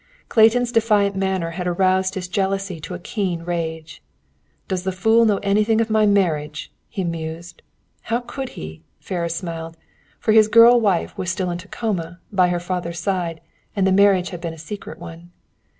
Clayton's defiant manner had aroused his jealousy to a keen rage. "Does the fool know anything of my marriage?" he mused. "How could he?" Ferris smiled, for his girl wife was still in Tacoma, by her father's side, and the marriage had been a secret one.